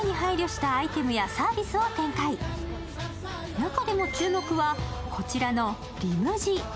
中でも注目は、こちらのＲｅＭＵＪＩ。